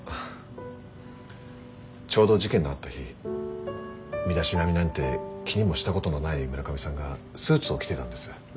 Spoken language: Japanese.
ちょうど事件のあった日身だしなみなんて気にもしたことのない村上さんがスーツを着てたんです。